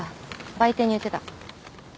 売店に売ってた。